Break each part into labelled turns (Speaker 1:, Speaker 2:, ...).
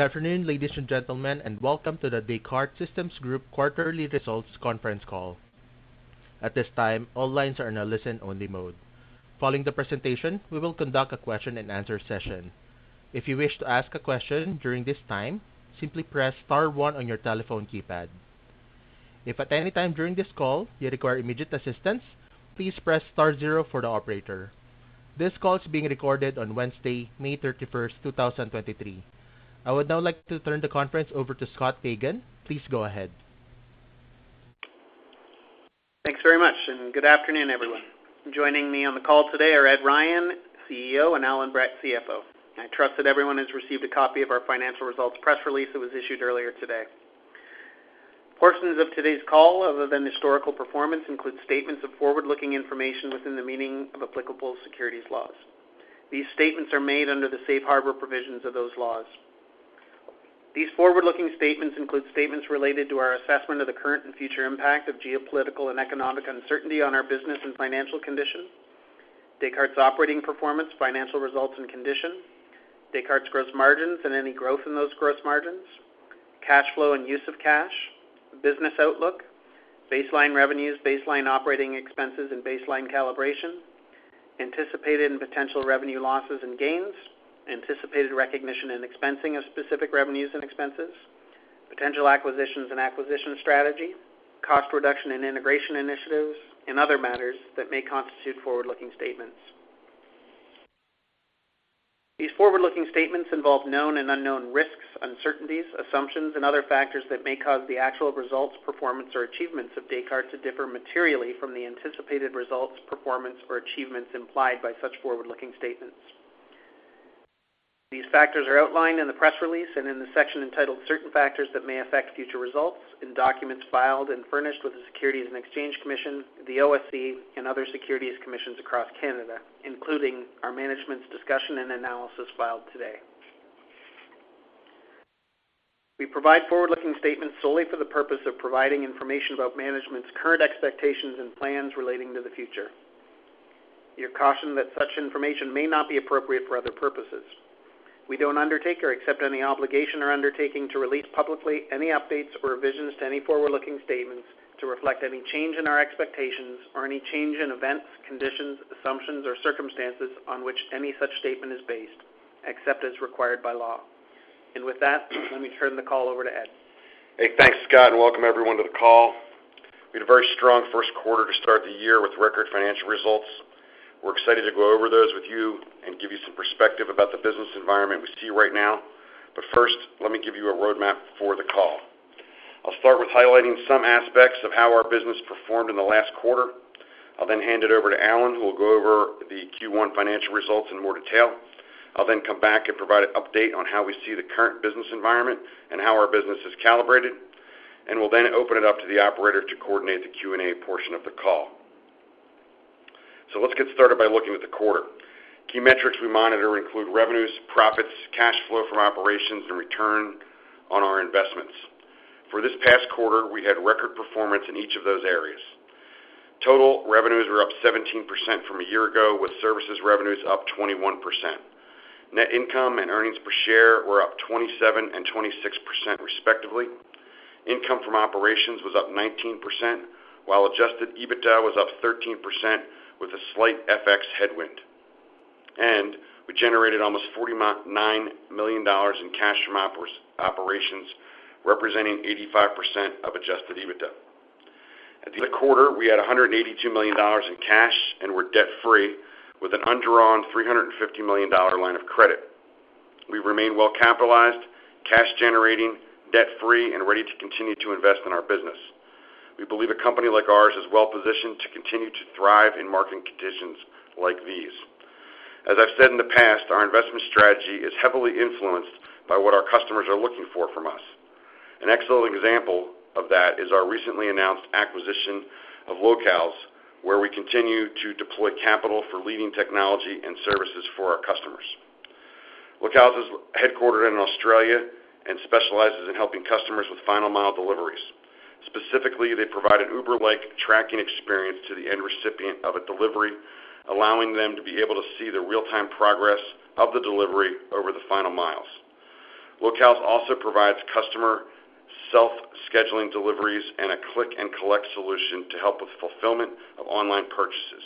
Speaker 1: Good afternoon, ladies and gentlemen, welcome to the Descartes Systems Group Quarterly Results Conference Call. At this time, all lines are in a listen-only mode. Following the presentation, we will conduct a question-and-answer session. If you wish to ask a question during this time, simply press star one on your telephone keypad. If at any time during this call you require immediate assistance, please press star zero for the operator. This call is being recorded on Wednesday, May 31st, 2023. I would now like to turn the conference over to Scott Pagan. Please go ahead.
Speaker 2: Thanks very much, and good afternoon, everyone. Joining me on the call today are Ed Ryan, CEO, and Allan Brett, CFO. I trust that everyone has received a copy of our financial results press release that was issued earlier today. Portions of today's call, other than historical performance, include statements of forward-looking information within the meaning of applicable securities laws. These statements are made under the Safe Harbor provisions of those laws. These forward-looking statements include statements related to our assessment of the current and future impact of geopolitical and economic uncertainty on our business and financial condition, Descartes' operating performance, financial results, and condition, Descartes' gross margins and any growth in those gross margins, cash flow and use of cash, business outlook, baseline revenues, baseline operating expenses, and baseline calibration, anticipated and potential revenue losses and gains, anticipated recognition and expensing of specific revenues and expenses, potential acquisitions and acquisition strategy, cost reduction and integration initiatives, and other matters that may constitute forward-looking statements. These forward-looking statements involve known and unknown risks, uncertainties, assumptions, and other factors that may cause the actual results, performance, or achievements of Descartes to differ materially from the anticipated results, performance, or achievements implied by such forward-looking statements. These factors are outlined in the press release and in the section entitled Certain Factors That May Affect Future Results in documents filed and furnished with the Securities and Exchange Commission, the OSC, and other securities commissions across Canada, including our management's discussion and analysis filed today. We provide forward-looking statements solely for the purpose of providing information about management's current expectations and plans relating to the future. You're cautioned that such information may not be appropriate for other purposes. We don't undertake or accept any obligation or undertaking to release publicly any updates or revisions to any forward-looking statements to reflect any change in our expectations or any change in events, conditions, assumptions, or circumstances on which any such statement is based, except as required by law. With that, let me turn the call over to Ed.
Speaker 3: Thanks, Scott, welcome everyone to the call. We had a very strong first quarter to start the year with record financial results. We're excited to go over those with you and give you some perspective about the business environment we see right now. First, let me give you a roadmap for the call. I'll start with highlighting some aspects of how our business performed in the last quarter. I'll then hand it over to Allan, who will go over the Q1 financial results in more detail. I'll then come back and provide an update on how we see the current business environment and how our business is calibrated, we'll then open it up to the operator to coordinate the Q&A portion of the call. Let's get started by looking at the quarter. Key metrics we monitor include revenues, profits, cash flow from operations, and return on our investments. For this past quarter, we had record performance in each of those areas. Total revenues were up 17% from a year ago, with services revenues up 21%. Net income and earnings per share were up 27% and 26%, respectively. Income from operations was up 19%, while adjusted EBITDA was up 13%, with a slight FX headwind. We generated almost $49 million in cash from operations, representing 85% of adjusted EBITDA. At the end of the quarter, we had $182 million in cash and were debt-free, with an undrawn $350 million line of credit. We remain well-capitalized, cash generating, debt-free, and ready to continue to invest in our business. We believe a company like ours is well-positioned to continue to thrive in marketing conditions like these. As I've said in the past, our investment strategy is heavily influenced by what our customers are looking for from us. An excellent example of that is our recently announced acquisition of Localz, where we continue to deploy capital for leading technology and services for our customers. Localz is headquartered in Australia and specializes in helping customers with final-mile deliveries. Specifically, they provide an Uber-like tracking experience to the end recipient of a delivery, allowing them to be able to see the real-time progress of the delivery over the final miles. Localz also provides customer self-scheduling deliveries and a click-and-collect solution to help with fulfillment of online purchases.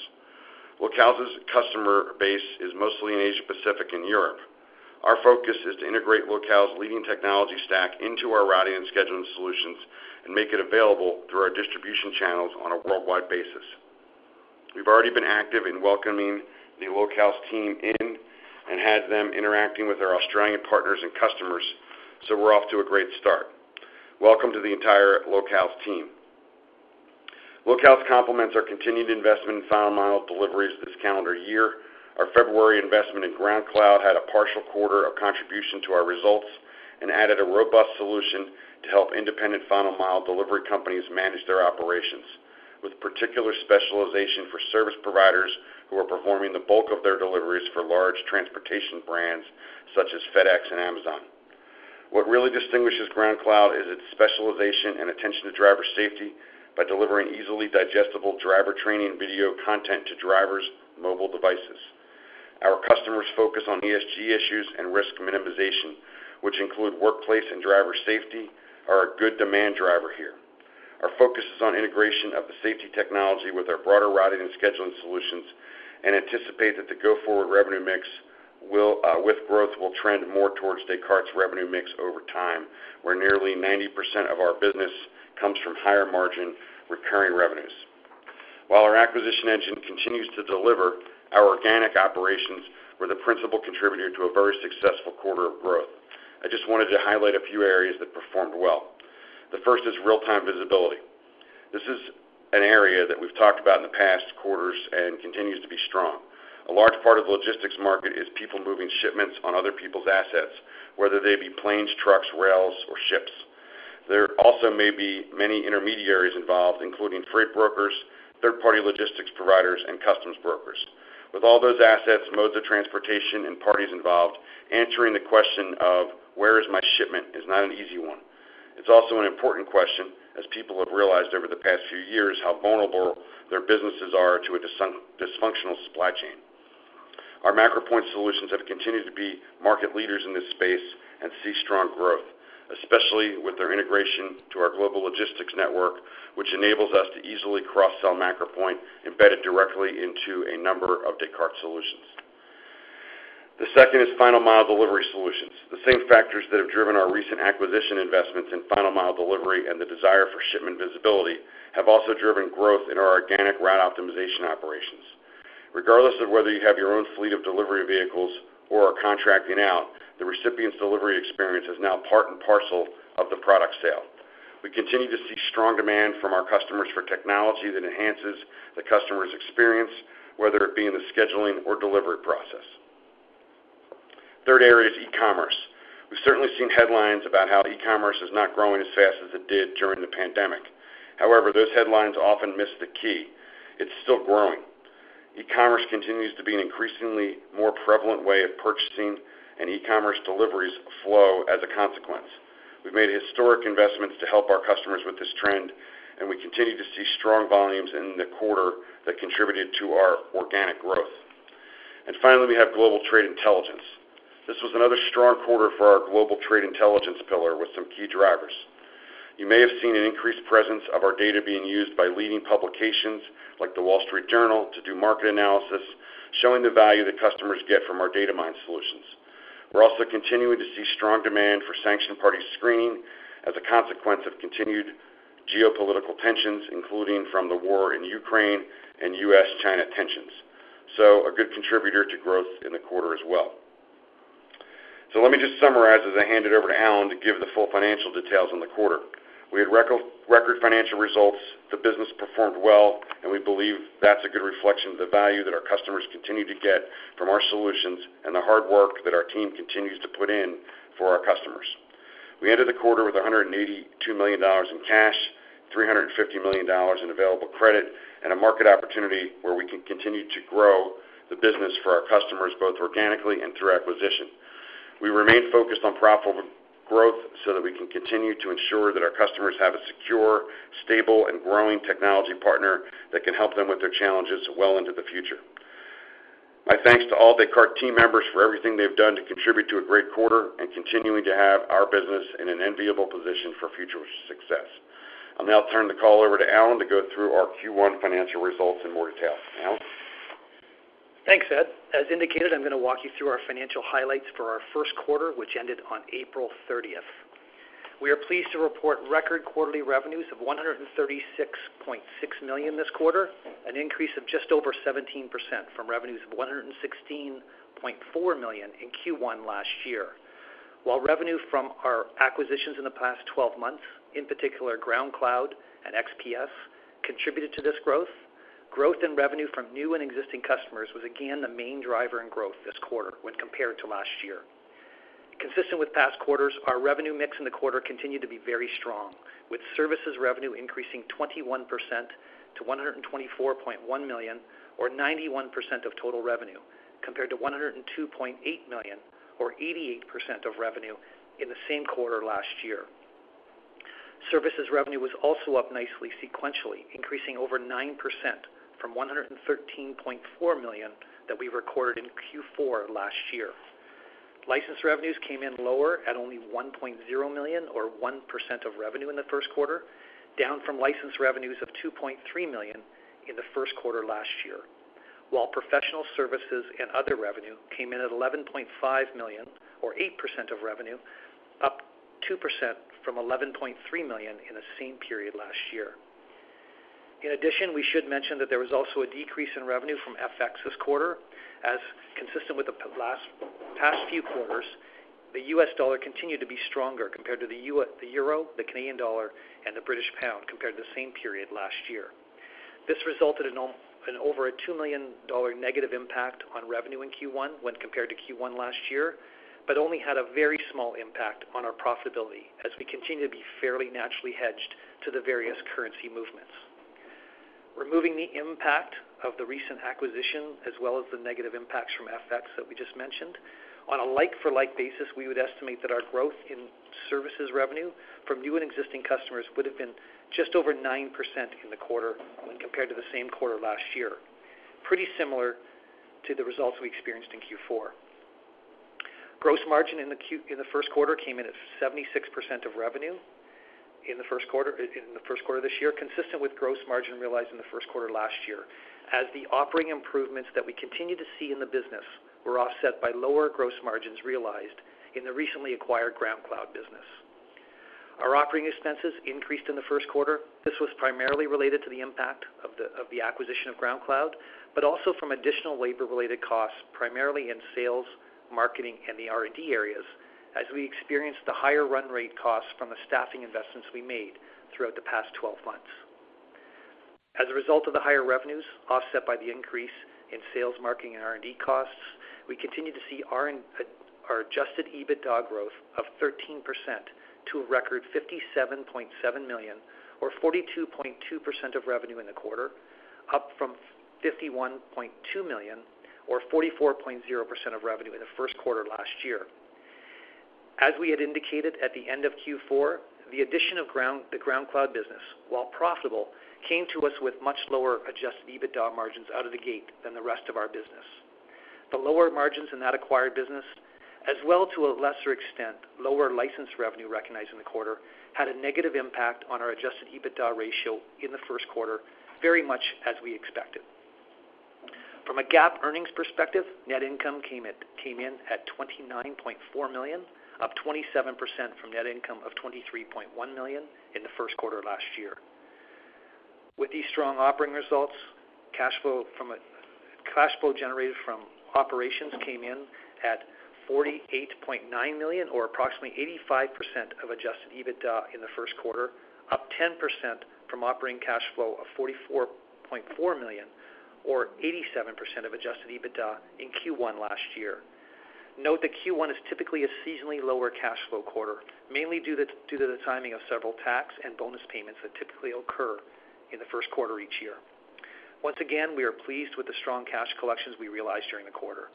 Speaker 3: Localz's customer base is mostly in Asia-Pacific and Europe. Our focus is to integrate Localz's leading technology stack into our routing and scheduling solutions and make it available through our distribution channels on a worldwide basis. We've already been active in welcoming the Localz team in and had them interacting with our Australian partners and customers, so we're off to a great start. Welcome to the entire Localz team. Localz complements our continued investment in final-mile deliveries this calendar year. Our February investment in GroundCloud had a partial quarter of contribution to our results and added a robust solution to help independent final-mile delivery companies manage their operations, with particular specialization for service providers who are performing the bulk of their deliveries for large transportation brands, such as FedEx and Amazon. What really distinguishes GroundCloud is its specialization and attention to driver safety by delivering easily digestible driver training video content to drivers' mobile devices. Our customers' focus on ESG issues and risk minimization, which include workplace and driver safety, are a good demand driver here. Our focus is on integration of the safety technology with our broader routing and scheduling solutions, and anticipate that the go-forward revenue mix will, with growth, will trend more towards Descartes' revenue mix over time, where nearly 90% of our business comes from higher margin recurring revenues. While our acquisition engine continues to deliver, our organic operations were the principal contributor to a very successful quarter of growth. I just wanted to highlight a few areas that performed well. The first is Real-time Visibility. This is an area that we've talked about in the past quarters and continues to be strong. A large part of the logistics market is people moving shipments on other people's assets, whether they be planes, trucks, rails, or ships. There also may be many intermediaries involved, including freight brokers, third-party logistics providers, and customs brokers. With all those assets, modes of transportation, and parties involved, answering the question of, "Where is my shipment?" is not an easy one. It's also an important question, as people have realized over the past few years how vulnerable their businesses are to a dysfunctional supply chain. Our MacroPoint solutions have continued to be market leaders in this space and see strong growth, especially with their integration to our Global Logistics Network, which enables us to easily cross-sell MacroPoint embedded directly into a number of Descartes solutions. The second is final mile delivery solutions. The same factors that have driven our recent acquisition investments in final mile delivery and the desire for shipment visibility have also driven growth in our organic route optimization operations. Regardless of whether you have your own fleet of delivery vehicles or are contracting out, the recipient's delivery experience is now part and parcel of the product sale. We continue to see strong demand from our customers for technology that enhances the customer's experience, whether it be in the scheduling or delivery process. Third area is e-commerce. We've certainly seen headlines about how e-commerce is not growing as fast as it did during the pandemic. However, those headlines often miss the key: it's still growing. E-commerce continues to be an increasingly more prevalent way of purchasing, and e-commerce deliveries flow as a consequence. We've made historic investments to help our customers with this trend, and we continue to see strong volumes in the quarter that contributed to our organic growth. Finally, we have Global Trade Intelligence. This was another strong quarter for our Global Trade Intelligence pillar with some key drivers. You may have seen an increased presence of our data being used by leading publications, like The Wall Street Journal, to do market analysis, showing the value that customers get from our Datamyne solutions. We're also continuing to see strong demand for sanctioned party screening as a consequence of continued geopolitical tensions, including from the war in Ukraine and U.S.-China tensions, so a good contributor to growth in the quarter as well. Let me just summarize as I hand it over to Allan to give the full financial details on the quarter. We had record financial results, the business performed well. We believe that's a good reflection of the value that our customers continue to get from our solutions and the hard work that our team continues to put in for our customers. We ended the quarter with $182 million in cash, $350 million in available credit. A market opportunity where we can continue to grow the business for our customers, both organically and through acquisition. We remain focused on profitable growth so that we can continue to ensure that our customers have a secure, stable, and growing technology partner that can help them with their challenges well into the future. My thanks to all Descartes team members for everything they've done to contribute to a great quarter and continuing to have our business in an enviable position for future success. I'll now turn the call over to Allan to go through our Q1 financial results in more detail. Allan?
Speaker 4: Thanks, Ed. As indicated, I'm going to walk you through our financial highlights for our first quarter, which ended on April 30th. We are pleased to report record quarterly revenues of $136.6 million this quarter, an increase of just over 17% from revenues of $116.4 million in Q1 last year. While revenue from our acquisitions in the past 12 months, in particular, GroundCloud and XPS, contributed to this growth in revenue from new and existing customers was again the main driver in growth this quarter when compared to last year. Consistent with past quarters, our revenue mix in the quarter continued to be very strong, with services revenue increasing 21% to $124.1 million, or 91% of total revenue, compared to $102.8 million, or 88% of revenue, in the same quarter last year. Services revenue was also up nicely sequentially, increasing over 9% from $113.4 million that we recorded in Q4 last year. License revenues came in lower at only $1.0 million, or 1% of revenue in the first quarter, down from license revenues of $2.3 million in the first quarter last year, while professional services and other revenue came in at $11.5 million, or 8% of revenue, up 2% from $11.3 million in the same period last year. In addition, we should mention that there was also a decrease in revenue from FX this quarter. As consistent with the past few quarters, the U.S. Most of the transcript is already edited as required. continued to be stronger compared to the euro, the Canadian dollar, and the British pound compared to the same period last year. This resulted in over a $2 million negative impact on revenue in Q1 when compared to Q1 last year, but only had a very small impact on our profitability, as we continue to be fairly naturally hedged to the various currency movements. Removing the impact of the recent acquisition, as well as the negative impacts from FX that we just mentioned, on a like-for-like basis, we would estimate that our growth in services revenue from new and existing customers would have been just over 9% in the quarter when compared to the same quarter last year, pretty similar to the results we experienced in Q4. Gross margin in the first quarter came in at 76% of revenue in the first quarter of this year, consistent with gross margin realized in the first quarter last year, as the operating improvements that we continue to see in the business were offset by lower gross margins realized in the recently acquired GroundCloud business. Our operating expenses increased in the first quarter. This was primarily related to the impact of the acquisition of GroundCloud, also from additional labor-related costs, primarily in sales, marketing, and the R&D areas, as we experienced the higher run rate costs from the staffing investments we made throughout the past 12 months. A result of the higher revenues, offset by the increase in sales, marketing, and R&D costs, we continue to see our adjusted EBITDA growth of 13% to a record $57.7 million, or 42.2% of revenue in the quarter, up from $51.2 million, or 44.0% of revenue in the first quarter last year. We had indicated at the end of Q4, the addition of the GroundCloud business, while profitable, came to us with much lower adjusted EBITDA margins out of the gate than the rest of our business. The lower margins in that acquired business, as well to a lesser extent, lower license revenue recognized in the quarter, had a negative impact on our adjusted EBITDA ratio in the first quarter, very much as we expected. From a GAAP earnings perspective, net income came in at $29.4 million, up 27% from net income of $23.1 million in the first quarter last year. With these strong operating results, cash flow generated from operations came in at $48.9 million, or approximately 85% of adjusted EBITDA in the first quarter, up 10% from operating cash flow of $44.4 million, or 87% of adjusted EBITDA in Q1 last year. Note that Q1 is typically a seasonally lower cash flow quarter, mainly due to the timing of several tax and bonus payments that typically occur in the first quarter each year. Once again, we are pleased with the strong cash collections we realized during the quarter.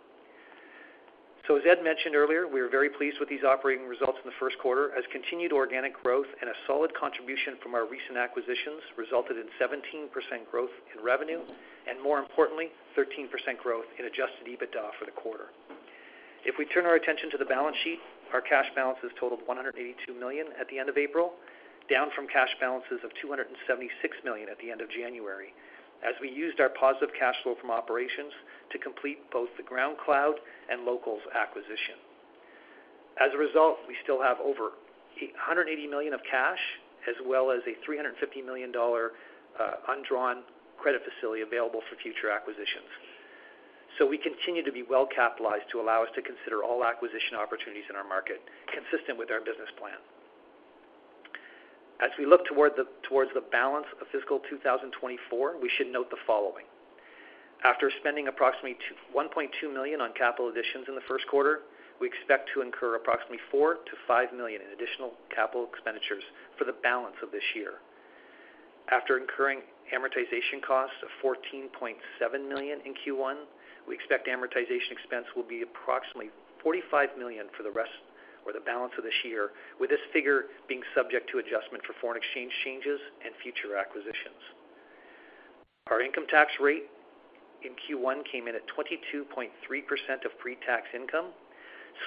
Speaker 4: As Ed mentioned earlier, we are very pleased with these operating results in the first quarter, as continued organic growth and a solid contribution from our recent acquisitions resulted in 17% growth in revenue, and more importantly, 13% growth in adjusted EBITDA for the quarter. If we turn our attention to the balance sheet, our cash balances totaled $182 million at the end of April, down from cash balances of $276 million at the end of January, as we used our positive cash flow from operations to complete both the GroundCloud and Localz acquisition. We still have over $180 million of cash, as well as a $350 million undrawn credit facility available for future acquisitions. We continue to be well capitalized to allow us to consider all acquisition opportunities in our market, consistent with our business plan. As we look towards the balance of fiscal 2024, we should note the following: After spending approximately $1.2 million on capital additions in the first quarter, we expect to incur approximately $4 million-$5 million in additional capital expenditures for the balance of this year. After incurring amortization costs of $14.7 million in Q1, we expect amortization expense will be approximately $45 million for the rest or the balance of this year, with this figure being subject to adjustment for foreign exchange changes and future acquisitions. Our income tax rate in Q1 came in at 22.3% of pre-tax income,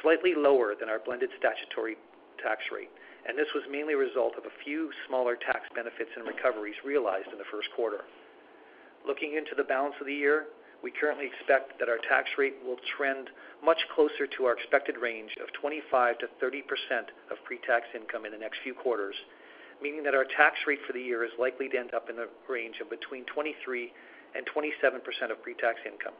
Speaker 4: slightly lower than our blended statutory tax rate, and this was mainly a result of a few smaller tax benefits and recoveries realized in the first quarter. Looking into the balance of the year, we currently expect that our tax rate will trend much closer to our expected range of 25%-30% of pre-tax income in the next few quarters, meaning that our tax rate for the year is likely to end up in a range of between 23%-27% of pre-tax income.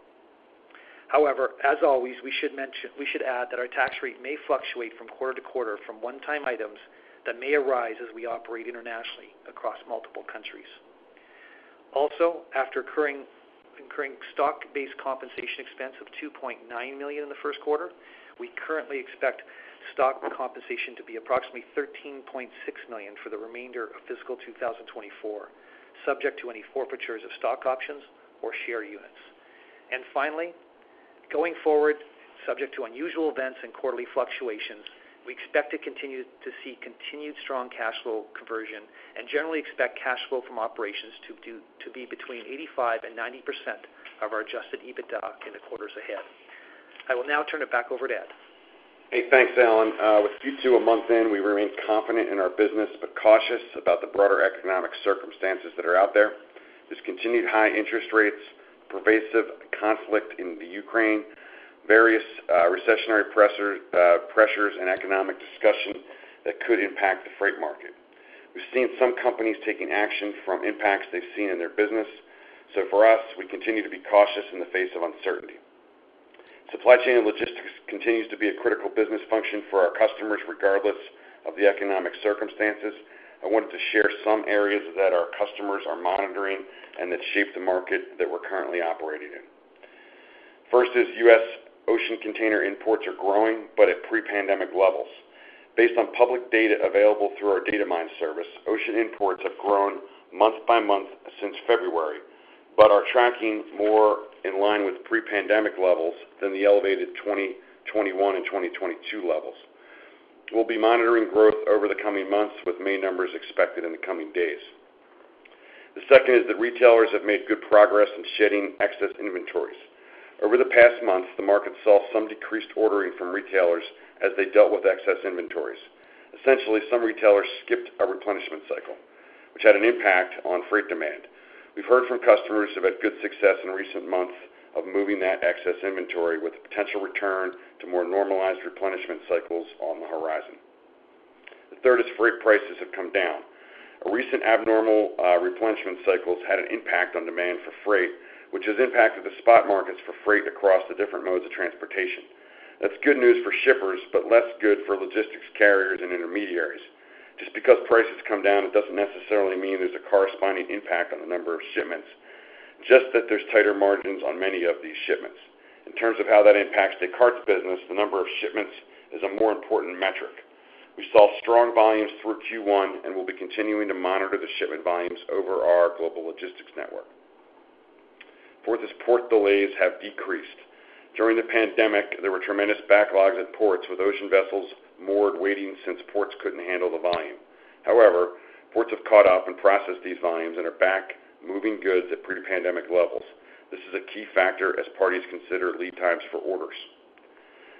Speaker 4: As always, we should mention, we should add that our tax rate may fluctuate from quarter to quarter from one-time items that may arise as we operate internationally across multiple countries. Also, after incurring stock-based compensation expense of $2.9 million in the first quarter, we currently expect stock compensation to be approximately $13.6 million for the remainder of fiscal 2024, subject to any forfeitures of stock options or share units. Finally, going forward, subject to unusual events and quarterly fluctuations, we expect to continue to see continued strong cash flow conversion and generally expect cash flow from operations to be between 85% and 90% of our adjusted EBITDA in the quarters ahead. I will now turn it back over to Ed.
Speaker 3: Hey, thanks, Allan. With Q2 a month in, we remain confident in our business, but cautious about the broader economic circumstances that are out there. There's continued high interest rates, pervasive conflict in the Ukraine, various, recessionary pressor, pressures and economic discussion that could impact the freight market. We've seen some companies taking action from impacts they've seen in their business. For us, we continue to be cautious in the face of uncertainty. Supply chain and logistics continues to be a critical business function for our customers, regardless of the economic circumstances. I wanted to share some areas that our customers are monitoring and that shape the market that we're currently operating in. First is U.S. ocean container imports are growing, but at pre-pandemic levels. Based on public data available through our Datamyne service, ocean imports have grown month by month since February, but are tracking more in line with pre-pandemic levels than the elevated 2021 and 2022 levels. We'll be monitoring growth over the coming months, with May numbers expected in the coming days. The second is that retailers have made good progress in shedding excess inventories. Over the past months, the market saw some decreased ordering from retailers as they dealt with excess inventories. Essentially, some retailers skipped a replenishment cycle, which had an impact on freight demand. We've heard from customers who've had good success in recent months of moving that excess inventory, with a potential return to more normalized replenishment cycles on the horizon. The third is freight prices have come down. A recent abnormal replenishment cycles had an impact on demand for freight, which has impacted the spot markets for freight across the different modes of transportation. That's good news for shippers, but less good for logistics carriers and intermediaries. Just because prices come down, it doesn't necessarily mean there's a corresponding impact on the number of shipments, just that there's tighter margins on many of these shipments. In terms of how that impacts Descartes business, the number of shipments is a more important metric. We saw strong volumes through Q1, and we'll be continuing to monitor the shipment volumes over our Global Logistics Network. Fourth is port delays have decreased. During the pandemic, there were tremendous backlogs at ports, with ocean vessels moored, waiting, since ports couldn't handle the volume. However, ports have caught up and processed these volumes and are back moving goods at pre-pandemic levels. This is a key factor as parties consider lead times for orders.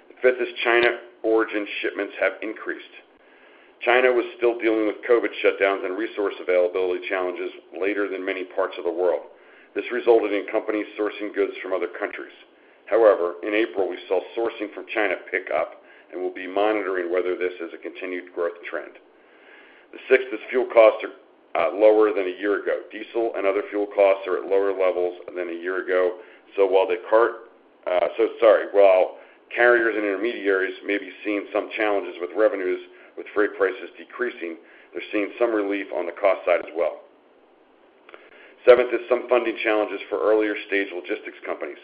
Speaker 3: The fifth is China origin shipments have increased. China was still dealing with COVID shutdowns and resource availability challenges later than many parts of the world. This resulted in companies sourcing goods from other countries. However, in April, we saw sourcing from China pick up, and we'll be monitoring whether this is a continued growth trend. The sixth is fuel costs are lower than a year ago. Diesel and other fuel costs are at lower levels than a year ago, so while carriers and intermediaries may be seeing some challenges with revenues with freight prices decreasing, they're seeing some relief on the cost side as well. Seventh is some funding challenges for earlier-stage logistics companies.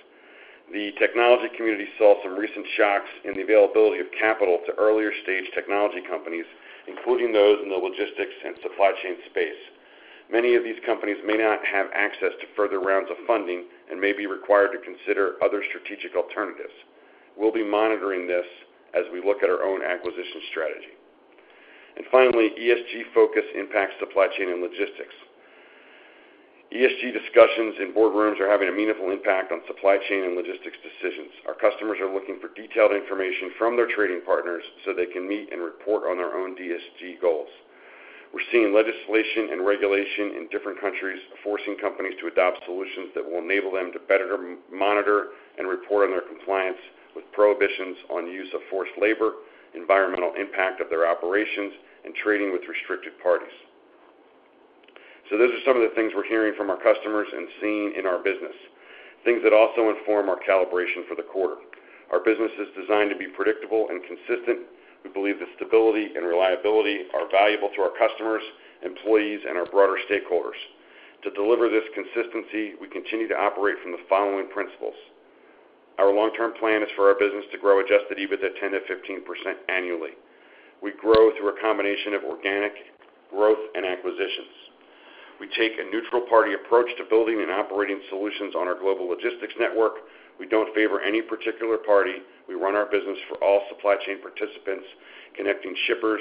Speaker 3: The technology community saw some recent shocks in the availability of capital to earlier-stage technology companies, including those in the logistics and supply chain space. Many of these companies may not have access to further rounds of funding and may be required to consider other strategic alternatives. We'll be monitoring this as we look at our own acquisition strategy. Finally, ESG focus impacts supply chain and logistics. ESG discussions in boardrooms are having a meaningful impact on supply chain and logistics decisions. Our customers are looking for detailed information from their trading partners so they can meet and report on their own ESG goals. We're seeing legislation and regulation in different countries, forcing companies to adopt solutions that will enable them to better monitor and report on their compliance with prohibitions on use of forced labor, environmental impact of their operations, and trading with restricted parties. Those are some of the things we're hearing from our customers and seeing in our business, things that also inform our calibration for the quarter. Our business is designed to be predictable and consistent. We believe that stability and reliability are valuable to our customers, employees, and our broader stakeholders. To deliver this consistency, we continue to operate from the following principles. Our long-term plan is for our business to grow adjusted EBITDA 10%-15% annually. We grow through a combination of organic growth and acquisitions. We take a neutral party approach to building and operating solutions on our Global Logistics Network. We don't favor any particular party. We run our business for all supply chain participants, connecting shippers,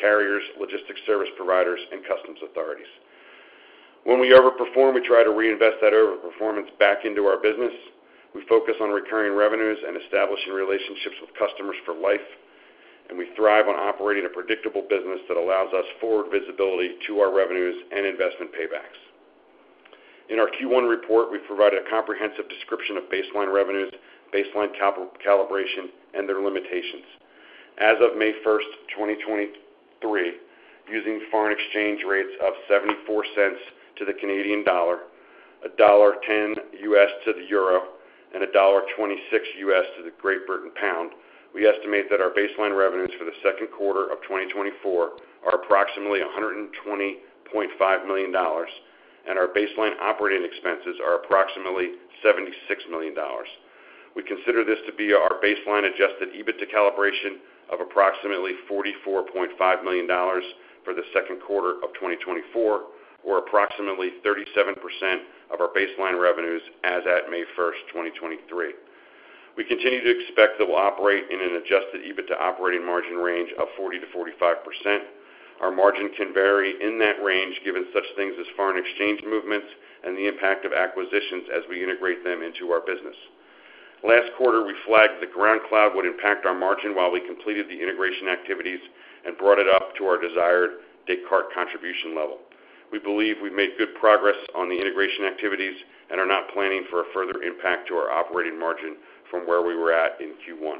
Speaker 3: carriers, logistics service providers, and customs authorities. When we overperform, we try to reinvest that overperformance back into our business. We focus on recurring revenues and establishing relationships with customers for life. We thrive on operating a predictable business that allows us forward visibility to our revenues and investment paybacks. In our Q1 report, we provided a comprehensive description of baseline revenues, baseline calibration, and their limitations. As of May 1st, 2023, using foreign exchange rates of 0.74 to the Canadian dollar, EUR 1.10 to the euro, and GBP 1.26 to the Great Britain Pound, we estimate that our baseline revenues for the second quarter of 2024 are approximately $120.5 million, and our baseline operating expenses are approximately $76 million. We consider this to be our baseline adjusted EBITDA calibration of approximately $44.5 million for the second quarter of 2024, or approximately 37% of our baseline revenues as at May 1st, 2023. We continue to expect that we'll operate in an adjusted EBITDA operating margin range of 40%-45%. Our margin can vary in that range, given such things as foreign exchange movements and the impact of acquisitions as we integrate them into our business. Last quarter, we flagged that GroundCloud would impact our margin while we completed the integration activities and brought it up to our desired Descartes contribution level. We believe we've made good progress on the integration activities and are not planning for a further impact to our operating margin from where we were at in Q1.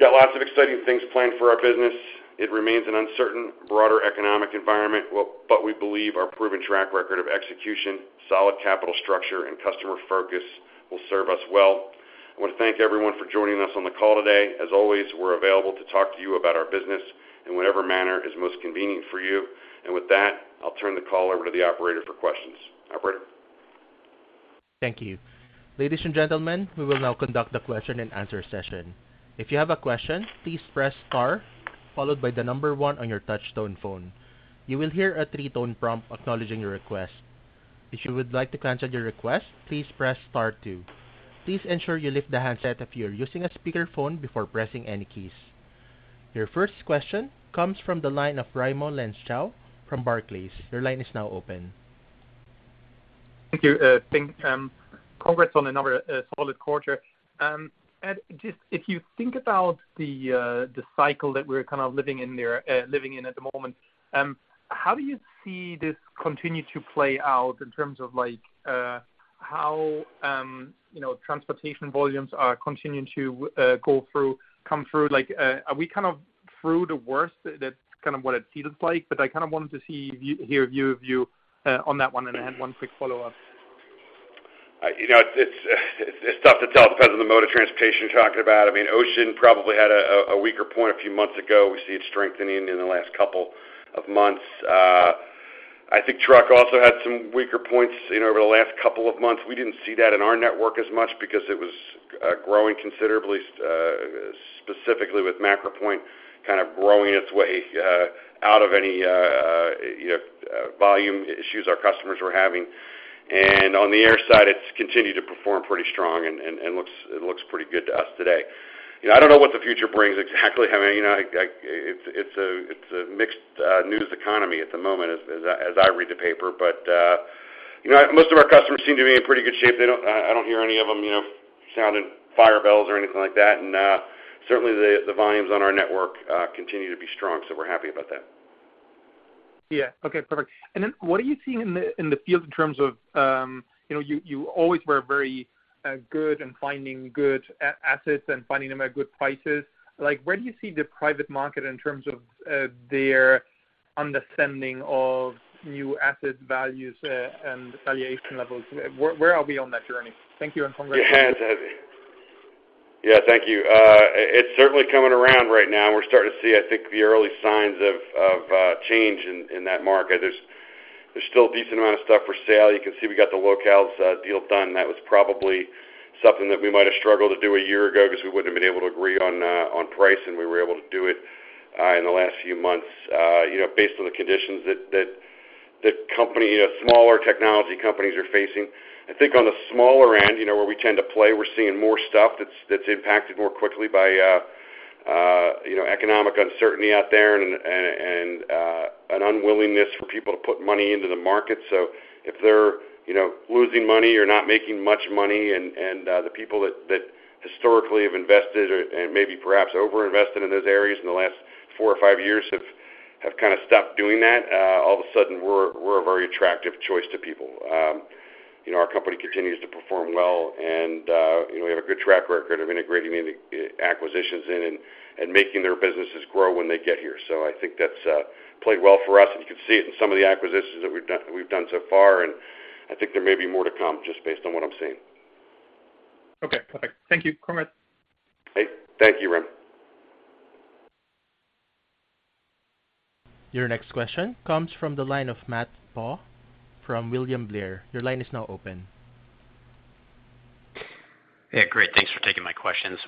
Speaker 3: Got lots of exciting things planned for our business. It remains an uncertain, broader economic environment, well, but we believe our proven track record of execution, solid capital structure, and customer focus will serve us well. I want to thank everyone for joining us on the call today. As always, we're available to talk to you about our business in whatever manner is most convenient for you. With that, I'll turn the call over to the operator for questions. Operator?
Speaker 1: Thank you. Ladies and gentlemen, we will now conduct a question-and-answer session. If you have a question, please press star, followed by the number one on your touchtone phone. You will hear a three-tone prompt acknowledging your request. If you would like to cancel your request, please press star two. Please ensure you lift the handset if you are using a speakerphone before pressing any keys. Your first question comes from the line of Raimo Lenschow from Barclays. Your line is now open.
Speaker 5: Thank you, thanks. Congrats on another solid quarter. Just if you think about the cycle that we're kind of living in there, living in at the moment, how do you see this continue to play out in terms of like, how, you know, transportation volumes are continuing to go through, come through? Like, are we kind of through the worst? That's kind of what it seems like, but I kind of wanted to see, hear your view on that one, and I had one quick follow-up.
Speaker 3: You know, it's tough to tell because of the mode of transportation you're talking about. I mean, ocean probably had a weaker point a few months ago. We see it strengthening in the last couple of months. I think truck also had some weaker points, you know, over the last couple of months. We didn't see that in our network as much because it was growing considerably, specifically with MacroPoint, kind of growing its way out of any, you know, volume issues our customers were having. On the air side, it's continued to perform pretty strong and looks, it looks pretty good to us today. You know, I don't know what the future brings exactly. I mean, you know, I, it's a mixed news economy at the moment as I read the paper. You know, most of our customers seem to be in pretty good shape. I don't hear any of them, you know, sounding fire bells or anything like that. Certainly the volumes on our network continue to be strong, so we're happy about that.
Speaker 5: Okay, perfect. What are you seeing in the field in terms of, you know, you always were very good in finding good assets and finding them at good prices? Like, where do you see the private market in terms of their understanding of new asset values and valuation levels? Where are we on that journey? Thank you, and congrats.
Speaker 3: Thank you. It's certainly coming around right now, and we're starting to see, I think, the early signs of change in that market. There's still a decent amount of stuff for sale. You can see we got the Localz deal done. That was probably something that we might have struggled to do a year ago because we wouldn't have been able to agree on price, and we were able to do it in the last few months, you know, based on the conditions that company, smaller technology companies are facing. I think on the smaller end, you know, where we tend to play, we're seeing more stuff that's impacted more quickly by, you know, economic uncertainty out there and an unwillingness for people to put money into the market. If they're, you know, losing money or not making much money and the people that historically have invested and maybe perhaps over-invested in those areas in the last four or five years have kind of stopped doing that, all of a sudden, we're a very attractive choice to people. You know, our company continues to perform well, and, you know, we have a good track record of integrating any acquisitions in and making their businesses grow when they get here. I think that's played well for us, and you can see it in some of the acquisitions that we've done so far, and I think there may be more to come just based on what I'm seeing.
Speaker 5: Okay, perfect. Thank you. Congrats.
Speaker 3: Hey, thank you, Raimo.
Speaker 1: Your next question comes from the line of Matt Pfau from William Blair. Your line is now open.
Speaker 6: Yeah, great. Thanks for taking my questions.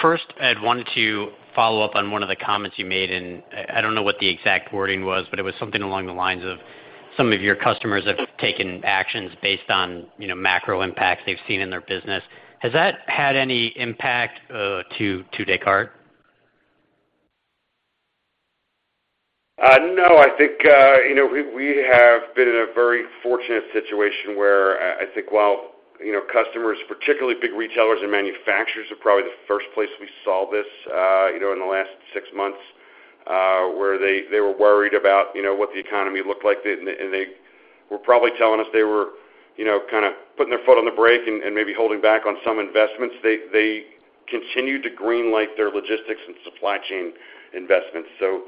Speaker 6: First, I wanted to follow up on one of the comments you made, and I don't know what the exact wording was, but it was something along the lines of some of your customers have taken actions based on, you know, macro impacts they've seen in their business. Has that had any impact to Descartes?
Speaker 3: No, I think, you know, we have been in a very fortunate situation where I think while, you know, customers, particularly big retailers and manufacturers, are probably the first place we saw this, you know, in the last six months, where they were worried about, you know, what the economy looked like. They were probably telling us they were, you know, kind of putting their foot on the brake and maybe holding back on some investments. They continued to green light their logistics and supply chain investments. You know,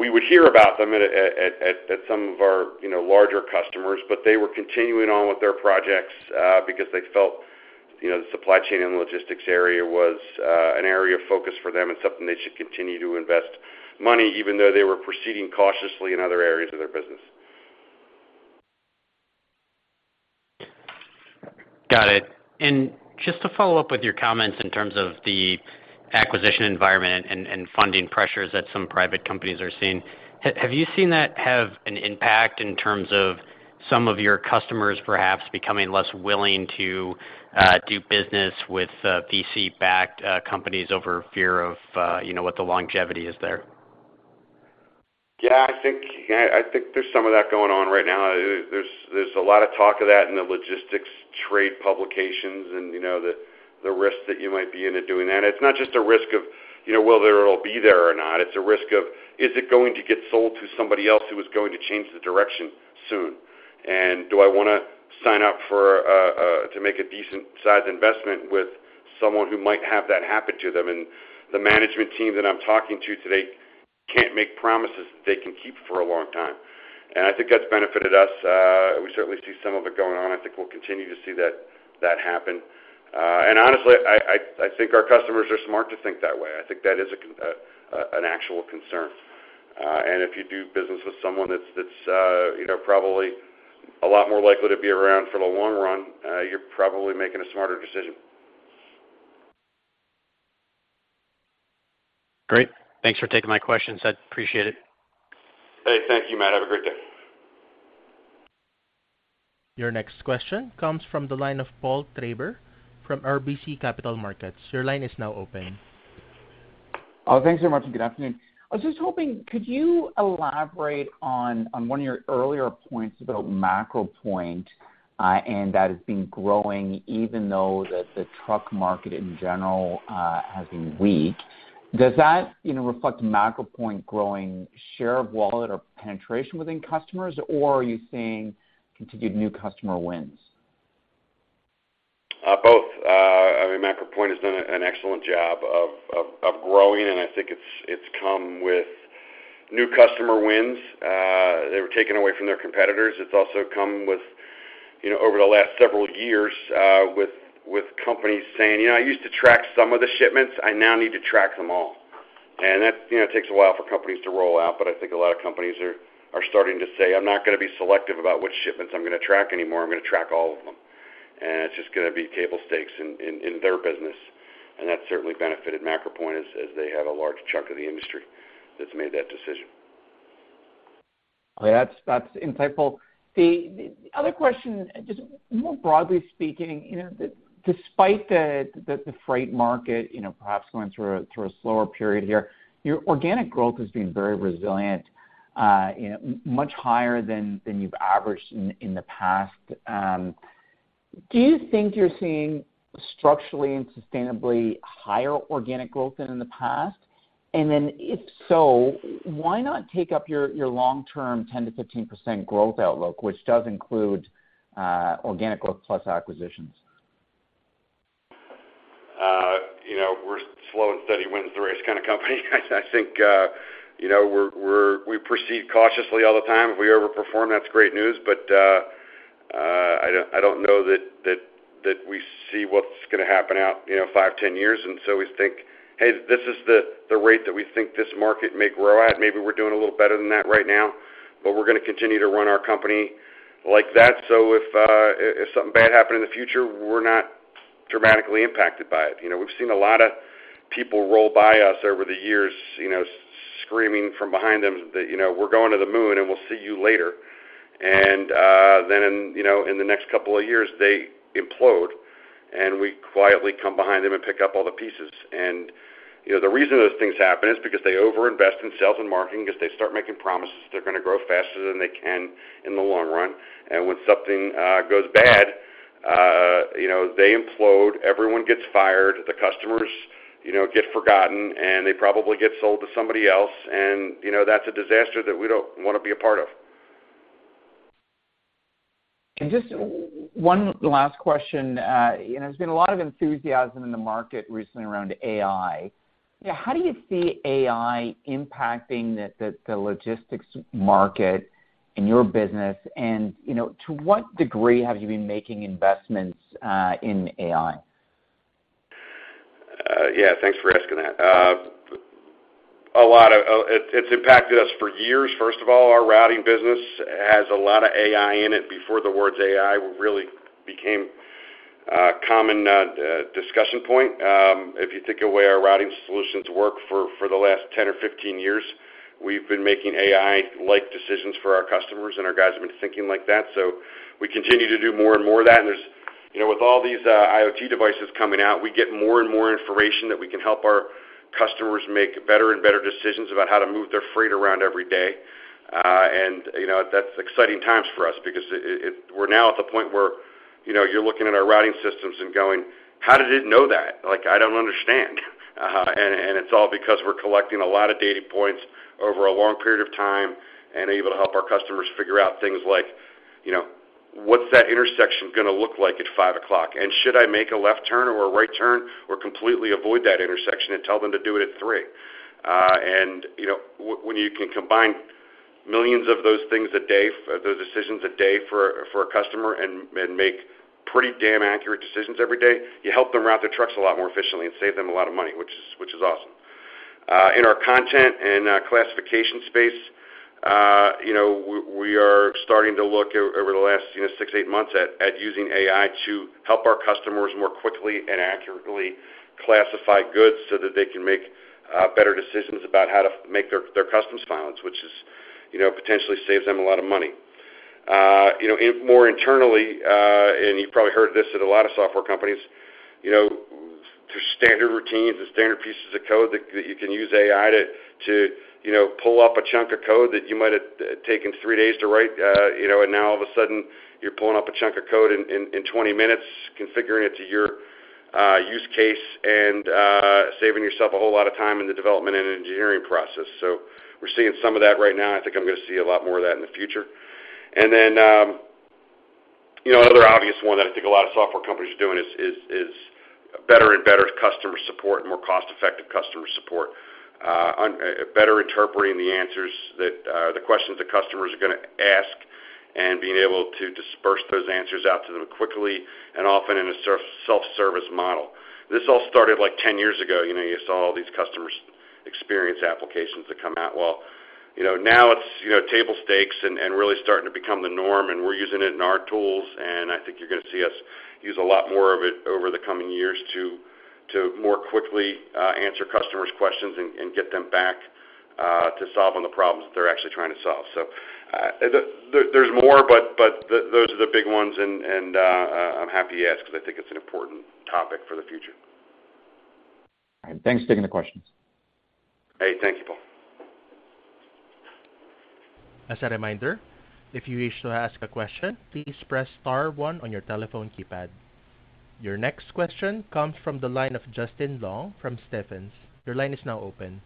Speaker 3: we would hear about them at some of our, you know, larger customers, but they were continuing on with their projects, because they felt, you know, the supply chain and logistics area was an area of focus for them and something they should continue to invest money, even though they were proceeding cautiously in other areas of their business.
Speaker 6: Got it. Just to follow up with your comments in terms of the acquisition environment and funding pressures that some private companies are seeing, have you seen that have an impact in terms of some of your customers perhaps becoming less willing to do business with VC-backed companies over fear of, you know, what the longevity is there?
Speaker 3: Yeah, I think there's some of that going on right now. There's a lot of talk of that in the logistics trade publications and, you know, the risks that you might be in at doing that. It's not just a risk of, you know, whether it'll be there or not. It's a risk of, is it going to get sold to somebody else who is going to change the direction soon? Do I want to sign up for to make a decent-sized investment with someone who might have that happen to them? The management team that I'm talking to today can't make promises they can keep for a long time. I think that's benefited us. We certainly see some of it going on. I think we'll continue to see that happen. Honestly, I, I think our customers are smart to think that way. I think that is an actual concern. If you do business with someone that's, you know, probably a lot more likely to be around for the long run, you're probably making a smarter decision.
Speaker 6: Great. Thanks for taking my questions. I appreciate it.
Speaker 3: Hey, thank you, Matt. Have a great day.
Speaker 1: Your next question comes from the line of Paul Treiber from RBC Capital Markets. Your line is now open.
Speaker 7: Thanks so much, and good afternoon. I was just hoping, could you elaborate on one of your earlier points about MacroPoint, and that it's been growing even though that the truck market in general, has been weak? Does that, you know, reflect MacroPoint growing share of wallet or penetration within customers, or are you seeing continued new customer wins?
Speaker 3: Both. I mean, MacroPoint has done an excellent job of growing, and I think it's come with new customer wins, they were taking away from their competitors. It's also come with, you know, over the last several years, with companies saying, "You know, I used to track some of the shipments. I now need to track them all." That, you know, takes a while for companies to roll out, but I think a lot of companies are starting to say, "I'm not gonna be selective about which shipments I'm gonna track anymore. I'm gonna track all of them." It's just gonna be table stakes in their business, that's certainly benefited MacroPoint as they had a large chunk of the industry that's made that decision.
Speaker 7: That's insightful. The other question, just more broadly speaking, you know, despite the freight market, you know, perhaps going through a slower period here, your organic growth has been very resilient, you know, much higher than you've averaged in the past. Do you think you're seeing structurally and sustainably higher organic growth than in the past? If so, why not take up your long-term 10%-15% growth outlook, which does include organic growth plus acquisitions?
Speaker 3: You know, we're slow and steady wins the race kind of company. I think, you know, we proceed cautiously all the time. If we ever perform, that's great news, but I don't know that we see what's gonna happen out, you know, five, 10 years. We think, "Hey, this is the rate that we think this market may grow at. Maybe we're doing a little better than that right now, but we're gonna continue to run our company like that." If something bad happened in the future, we're not dramatically impacted by it. You know, we've seen a lot of people roll by us over the years, you know, screaming from behind them that, you know, "We're going to the moon, and we'll see you later." Then, you know, in the next couple of years, they implode, and we quietly come behind them and pick up all the pieces. You know, the reason those things happen is because they overinvest in sales and marketing, because they start making promises they're gonna grow faster than they can in the long run. When something goes bad, you know, they implode, everyone gets fired, the customers, you know, get forgotten, and they probably get sold to somebody else. You know, that's a disaster that we don't want to be a part of.
Speaker 7: Just one last question. You know, there's been a lot of enthusiasm in the market recently around AI. How do you see AI impacting the logistics market in your business? You know, to what degree have you been making investments in AI?
Speaker 3: Yeah, thanks for asking that. A lot of it's impacted us for years. First of all, our routing business has a lot of AI in it, before the words AI really became a common discussion point. If you think of the way our routing solutions work for the last 10 or 15 years, we've been making AI-like decisions for our customers, and our guys have been thinking like that. We continue to do more and more of that. There's, you know, with all these IoT devices coming out, we get more and more information that we can help our customers make better and better decisions about how to move their freight around every day. You know, that's exciting times for us because it we're now at the point where, you know, you're looking at our routing systems and going: How did it know that? Like, I don't understand. And it's all because we're collecting a lot of data points over a long period of time and able to help our customers figure out things like, you know, what's that intersection gonna look like at 5:00? Should I make a left turn or a right turn, or completely avoid that intersection and tell them to do it at 3:00? You know, when you can combine millions of those things a day, those decisions a day for a customer and make pretty damn accurate decisions every day, you help them route their trucks a lot more efficiently and save them a lot of money, which is awesome. In our content and classification space, you know, we are starting to look over the last, you know, six, eight months at using AI to help our customers more quickly and accurately classify goods so that they can make better decisions about how to make their customs filings, which is, you know, potentially saves them a lot of money. You know, more internally, and you've probably heard this at a lot of software companies, you know, there's standard routines and standard pieces of code that you can use AI to, you know, pull up a chunk of code that you might have taken three days to write. Now all of a sudden, you're pulling up a chunk of code in 20 minutes, configuring it to your use case and saving yourself a whole lot of time in the development and engineering process. We're seeing some of that right now. I think I'm gonna see a lot more of that in the future. You know, another obvious one that I think a lot of software companies are doing is better and better customer support and more cost-effective customer support. better interpreting the answers that the questions the customers are gonna ask and being able to disperse those answers out to them quickly and often in a self-service model. This all started like 10 years ago. You know, you saw all these customers experience applications that come out. Well, you know, now it's, you know, table stakes and really starting to become the norm, and we're using it in our tools. You're gonna see us use a lot more of it over the coming years to more quickly answer customers' questions and get them back to solve on the problems that they're actually trying to solve. There's more, but those are the big ones, and I'm happy to ask, because I think it's an important topic for the future.
Speaker 7: All right. Thanks for taking the questions.
Speaker 3: Hey, thank you, Paul.
Speaker 1: As a reminder, if you wish to ask a question, please press star one on your telephone keypad. Your next question comes from the line of Justin Long from Stephens. Your line is now open.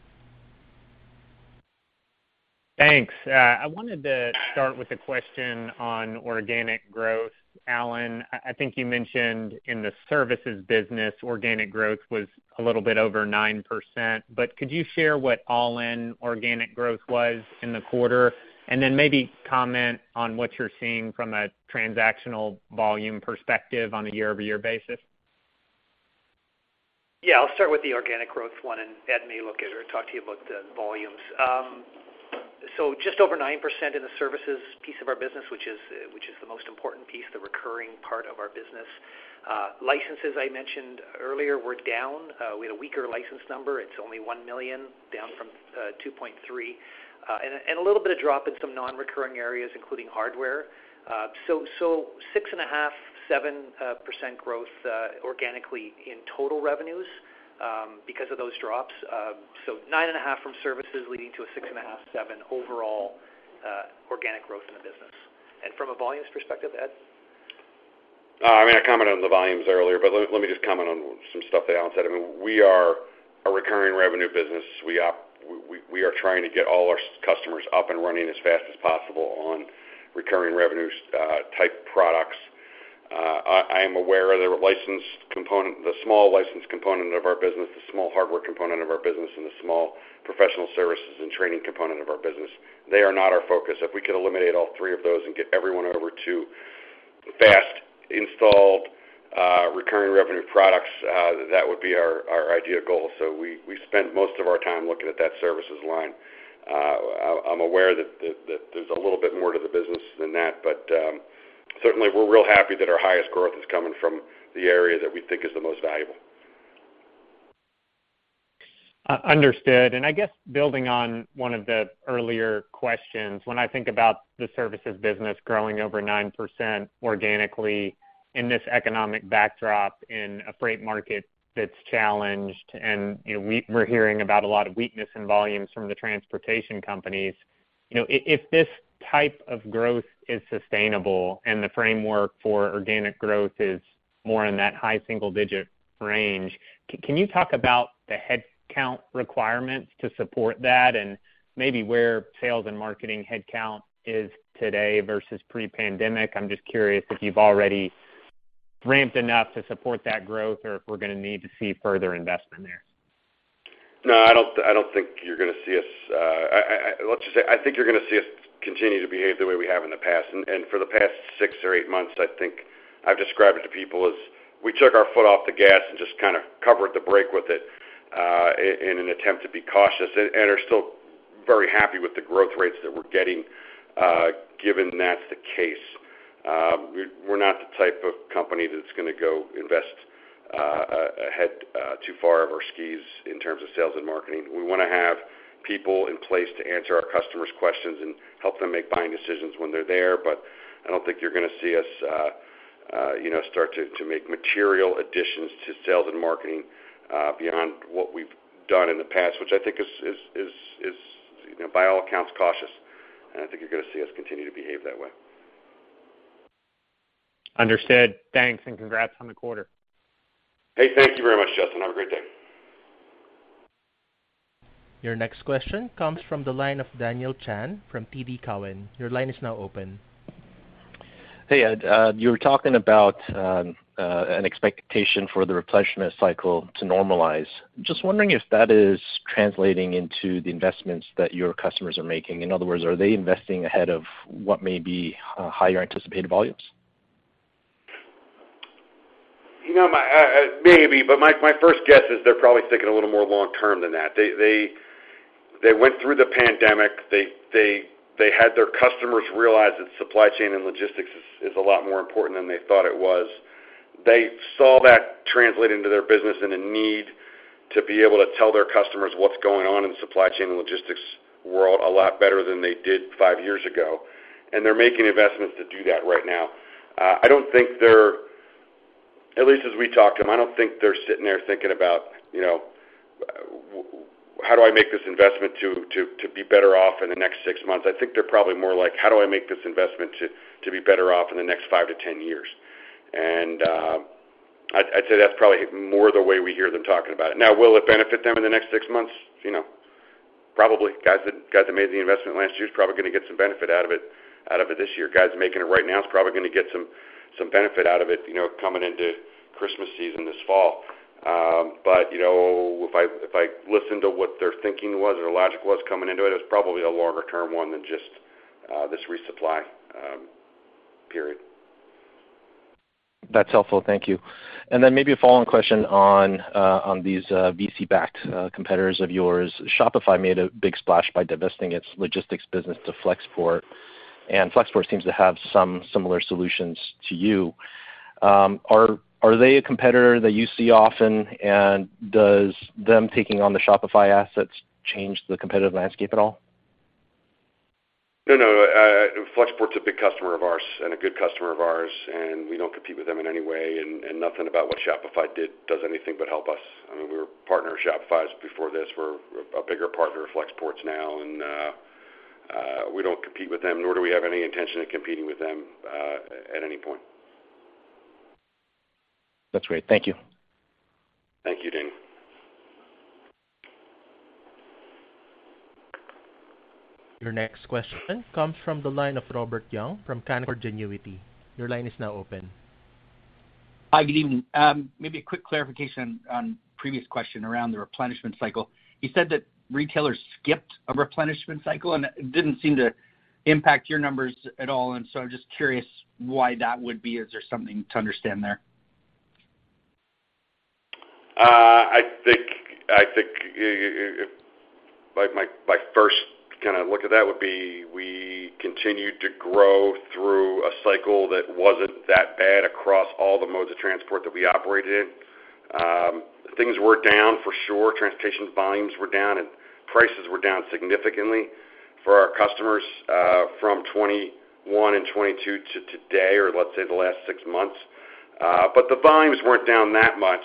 Speaker 8: Thanks. I wanted to start with a question on organic growth. Allan, I think you mentioned in the services business, organic growth was a little bit over 9%, but could you share what all-in organic growth was in the quarter? And then maybe comment on what you're seeing from a transactional volume perspective on a year-over-year basis.
Speaker 4: Yeah, I'll start with the organic growth one, and Ed may look at or talk to you about the volumes. Just over 9% in the services piece of our business, which is the most important piece, the recurring part of our business. Licenses, I mentioned earlier, were down. We had a weaker license number. It's only $1 million, down from $2.3 million. A little bit of drop in some non-recurring areas, including hardware. 6.5%-7% growth organically in total revenues because of those drops. 9.5% from services, leading to a 6.5%-7% overall organic growth in the business. From a volumes perspective, Ed?
Speaker 3: I mean, I commented on the volumes earlier, let me just comment on some stuff that Allan said. I mean, we are a recurring revenue business. We are trying to get all our customers up and running as fast as possible on recurring revenues type products. I am aware of the license component, the small license component of our business, the small hardware component of our business, and the small professional services and training component of our business. They are not our focus. If we could eliminate all three of those and get everyone over to fast installed, recurring revenue products, that would be our ideal goal. We spend most of our time looking at that services line. I'm aware that there's a little bit more to the business than that, but certainly we're real happy that our highest growth is coming from the area that we think is the most valuable.
Speaker 8: Understood. I guess building on one of the earlier questions, when I think about the services business growing over 9% organically in this economic backdrop, in a freight market that's challenged, and, you know, we're hearing about a lot of weakness in volumes from the transportation companies. You know, if this type of growth is sustainable and the framework for organic growth is more in that high single-digit range, can you talk about the headcount requirements to support that? Maybe where sales and marketing headcount is today versus pre-pandemic. I'm just curious if you've already ramped enough to support that growth, or if we're gonna need to see further investment there.
Speaker 3: No, I don't, I don't think you're gonna see us, I, let's just say, I think you're gonna see us continue to behave the way we have in the past. For the past six or eight months, I think I've described it to people as we took our foot off the gas and just kind of covered the brake with it, in an attempt to be cautious, and are still very happy with the growth rates that we're getting, given that's the case. We're not the type of company that's gonna go invest ahead, too far of our skis in terms of sales and marketing. We wanna have people in place to answer our customers' questions and help them make buying decisions when they're there. I don't think you're gonna see us, you know, start to make material additions to sales and marketing, beyond what we've done in the past, which I think is, you know, by all accounts, cautious. I think you're gonna see us continue to behave that way.
Speaker 8: Understood. Thanks, and congrats on the quarter.
Speaker 3: Hey, thank you very much, Justin. Have a great day.
Speaker 1: Your next question comes from the line of Daniel Chan from TD Cowen. Your line is now open.
Speaker 9: Hey, Ed, you were talking about an expectation for the replenishment cycle to normalize. Just wondering if that is translating into the investments that your customers are making, in other words, are they investing ahead of what may be higher anticipated volumes?
Speaker 3: You know, my, maybe, but my first guess is they're probably thinking a little more long term than that. They went through the pandemic. They had their customers realize that supply chain and logistics is a lot more important than they thought it was. They saw that translate into their business and a need to be able to tell their customers what's going on in the supply chain and logistics world a lot better than they did five years ago, and they're making investments to do that right now. I don't think they're, at least as we talk to them, I don't think they're sitting there thinking about, you know, how do I make this investment to be better off in the next six months? I think they're probably more like, how do I make this investment to be better off in the next 5-10 years? I'd say that's probably more the way we hear them talking about it. Will it benefit them in the next six months? You know, probably. Guys that made the investment last year is probably gonna get some benefit out of it this year. Guys making it right now is probably gonna get some benefit out of it, you know, coming into Christmas season this fall. You know, if I listen to what their thinking was or logic was coming into it's probably a longer term one than just this resupply period.
Speaker 9: That's helpful. Thank you. Maybe a follow-on question on these VC-backed competitors of yours. Shopify made a big splash by divesting its logistics business to Flexport, and Flexport seems to have some similar solutions to you. Are they a competitor that you see often? Does them taking on the Shopify assets change the competitive landscape at all?
Speaker 3: No, no. Flexport is a big customer of ours and a good customer of ours. Nothing about what Shopify did does anything but help us. I mean, we were partners with Shopify before this. We're a bigger partner with Flexport now, we don't compete with them, nor do we have any intention of competing with them, at any point.
Speaker 9: That's great. Thank you.
Speaker 3: Thank you, Dan.
Speaker 1: Your next question comes from the line of Robert Young from Canaccord Genuity. Your line is now open.
Speaker 10: Hi, good evening. Maybe a quick clarification on previous question around the replenishment cycle. You said that retailers skipped a replenishment cycle, and it didn't seem to impact your numbers at all. I'm just curious why that would be. Is there something to understand there?
Speaker 3: I think, I think if my first kind of look at that would be we continued to grow through a cycle that wasn't that bad across all the modes of transport that we operated in. Things were down for sure. Transportation volumes were down, and prices were down significantly for our customers, from 2021 and 2022 to today, or let's say, the last six months. The volumes weren't down that much,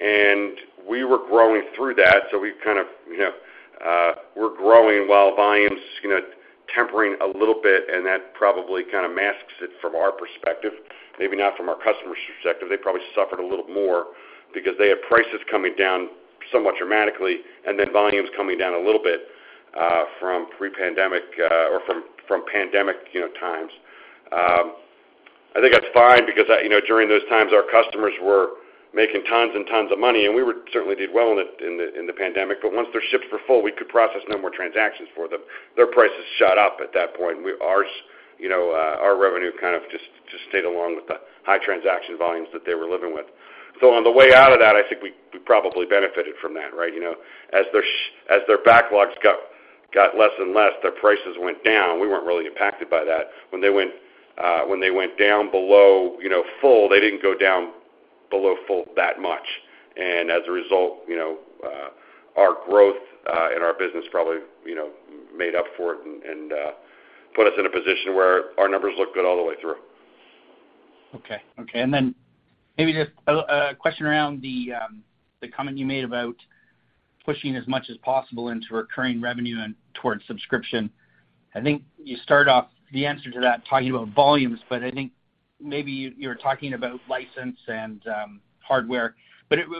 Speaker 3: and we were growing through that. We kind of, you know, we're growing while volumes, you know, tempering a little bit, and that probably kind of masks it from our perspective, maybe not from our customer's perspective. They probably suffered a little more because they had prices coming down somewhat dramatically and then volumes coming down a little bit from pre-pandemic, or from pandemic, you know, times. I think that's fine because, you know, during those times, our customers were making tons and tons of money, and we were certainly did well in the pandemic. Once their ships were full, we could process no more transactions for them. Their prices shot up at that point, and ours, you know, our revenue kind of just stayed along with the high transaction volumes that they were living with. On the way out of that, I think we probably benefited from that, right? You know, as their backlogs got less and less, their prices went down. We weren't really impacted by that. When they went, when they went down below, you know, full, they didn't go down below full that much. As a result, you know, our growth in our business probably, you know, made up for it and put us in a position where our numbers looked good all the way through.
Speaker 10: Okay. Maybe just a question around the comment you made about pushing as much as possible into recurring revenue and towards subscription. I think you start off the answer to that talking about volumes, but I think maybe you're talking about license and hardware.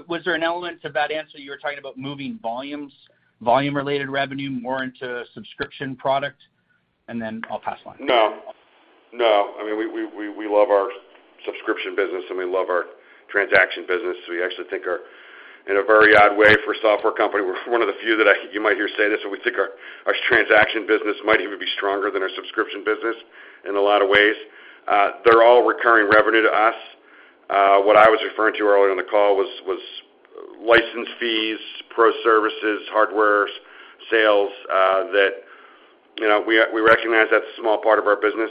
Speaker 10: Was there an element to that answer you were talking about moving volumes, volume-related revenue more into a subscription product? Then I'll pass the line.
Speaker 3: No. No, I mean, we love our subscription business, and we love our transaction business. We actually think our, in a very odd way, for a software company, we're one of the few that you might hear say this, but we think our transaction business might even be stronger than our subscription business in a lot of ways. They're all recurring revenue to us. What I was referring to earlier in the call was license fees, pro services, hardware sales, that, you know, we recognize that's a small part of our business.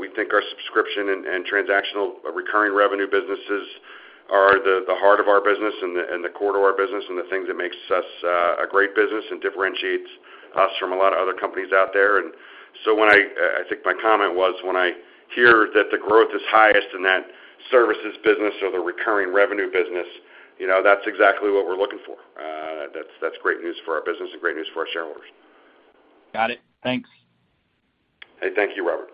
Speaker 3: We think our subscription and transactional recurring revenue businesses are the heart of our business and the core to our business, and the thing that makes us a great business and differentiates us from a lot of other companies out there. I think my comment was when I hear that the growth is highest in that services business or the recurring revenue business, you know, that's exactly what we're looking for. That's, that's great news for our business and great news for our shareholders.
Speaker 10: Got it. Thanks.
Speaker 3: Hey, thank you, Robert.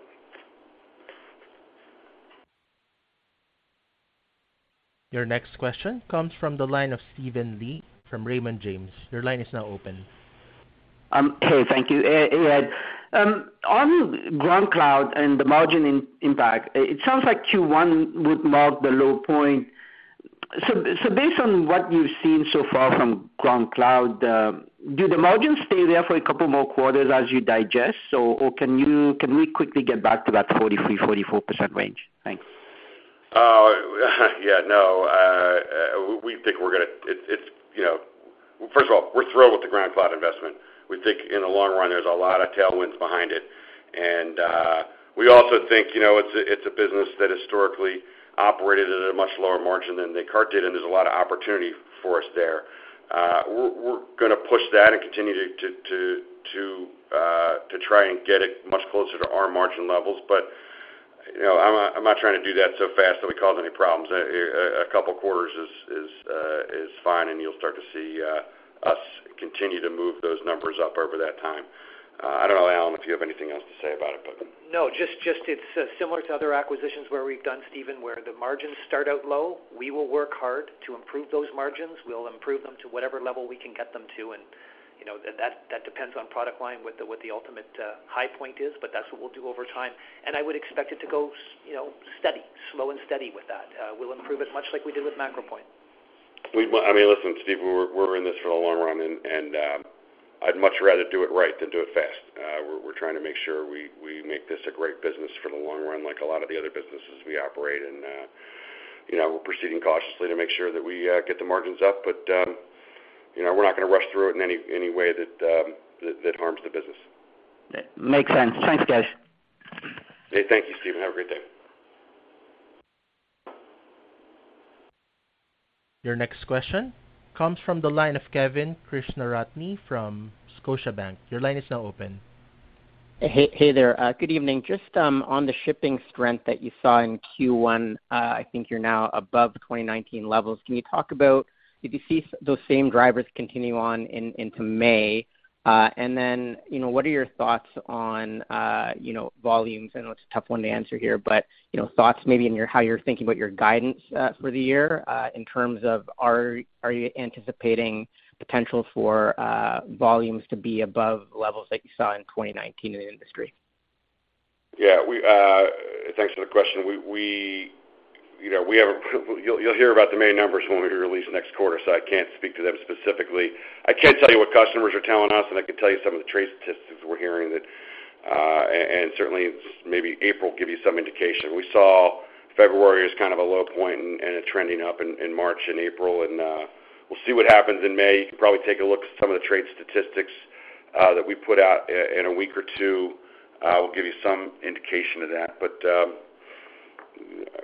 Speaker 1: Your next question comes from the line of Steven Li from Raymond James. Your line is now open.
Speaker 11: Hey, thank you. Ed, on GroundCloud and the margin impact, it sounds like Q1 would mark the low point. Based on what you've seen so far from GroundCloud, do the margins stay there for a couple more quarters as you digest, or can we quickly get back to that 43%-44% range? Thanks.
Speaker 3: We think, you know, First of all, we're thrilled with the GroundCloud investment. We think in the long run, there's a lot of tailwinds behind it. We also think, you know, it's a business that historically operated at a much lower margin than Descartes did, and there's a lot of opportunity for us there. We're gonna push that and continue to try and get it much closer to our margin levels. You know, I'm not trying to do that so fast that we cause any problems. A couple quarters is fine, and you'll start to see us continue to move those numbers up over that time. I don't know, Allan, if you have anything else to say about it.
Speaker 4: No, just it's similar to other acquisitions where we've done, Steven, where the margins start out low. We will work hard to improve those margins. We'll improve them to whatever level we can get them to, you know, that depends on product line, what the ultimate high point is, but that's what we'll do over time. I would expect it to go, you know, steady, slow and steady with that. We'll improve it much like we did with MacroPoint.
Speaker 3: I mean, listen, Steve, we're in this for the long run, and I'd much rather do it right than do it fast. We're trying to make sure we make this a great business for the long run, like a lot of the other businesses we operate. You know, we're proceeding cautiously to make sure that we get the margins up. You know, we're not gonna rush through it in any way that harms the business.
Speaker 11: Makes sense. Thanks, guys.
Speaker 3: Hey, thank you, Steve. Have a great day.
Speaker 1: Your next question comes from the line of Kevin Krishnaratne from Scotiabank. Your line is now open.
Speaker 12: Hey, hey there. Good evening. Just on the shipping strength that you saw in Q1, I think you're now above 2019 levels. Can you talk about, did you see those same drivers continue into May? You know, what are your thoughts on, you know, volumes? I know it's a tough one to answer here, but, you know, thoughts maybe how you're thinking about your guidance for the year, in terms of, are you anticipating potential for volumes to be above levels that you saw in 2019 in the industry?
Speaker 3: Yeah, we. Thanks for the question. We, you know, you'll hear about the May numbers when we release next quarter, so I can't speak to them specifically. I can tell you what customers are telling us, and I can tell you some of the trade statistics we're hearing that, and certainly, maybe April will give you some indication. We saw February as kind of a low point, and it trending up in March and April, and we'll see what happens in May. You can probably take a look at some of the trade statistics that we put out in a week or two, will give you some indication of that.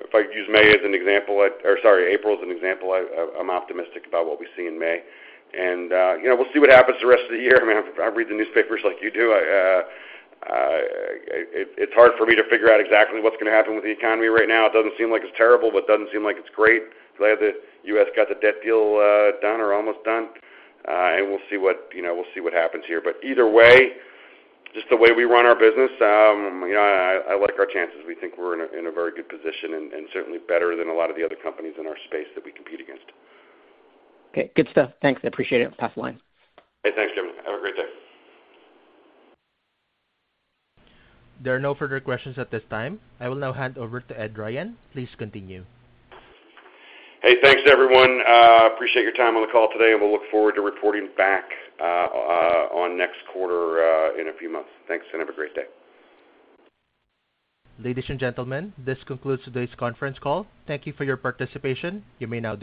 Speaker 3: If I use May as an example, or sorry, April as an example, I'm optimistic about what we see in May. You know, we'll see what happens the rest of the year. I mean, I read the newspapers like you do. I, it's hard for me to figure out exactly what's gonna happen with the economy right now. It doesn't seem like it's terrible, but it doesn't seem like it's great. Glad the U.S. got the debt deal, done or almost done. We'll see what, you know, we'll see what happens here, but either way, just the way we run our business, you know, I like our chances. We think we're in a, in a very good position and certainly better than a lot of the other companies in our space that we compete against.
Speaker 12: Okay, good stuff. Thanks. I appreciate it. Pass the line.
Speaker 3: Hey, thanks, Kevin. Have a great day.
Speaker 1: There are no further questions at this time. I will now hand over to Ed Ryan. Please continue.
Speaker 3: Hey, thanks, everyone. appreciate your time on the call today, and we'll look forward to reporting back on next quarter in a few months. Thanks, and have a great day.
Speaker 1: Ladies and gentlemen, this concludes today's conference call. Thank you for your participation. You may now disconnect.